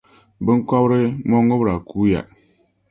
Biŋkɔbiri mɔŋubira kuuya.